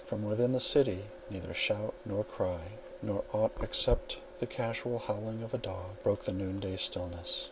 From within the city neither shout nor cry, nor aught except the casual howling of a dog, broke the noon day stillness.